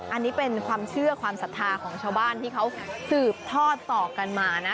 อันนี้เป็นความเชื่อความศรัทธาของชาวบ้านที่เขาสืบทอดต่อกันมานะ